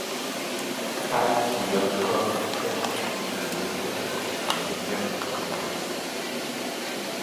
Pike couldn't come to terms with the break-up and became depressed.